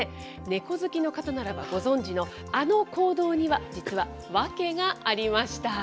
ネコ好きの片ならばご存じのあの行動には、実は訳がありました。